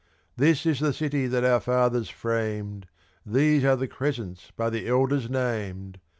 This is the city that our fathers framed These are the crescents by the elders named!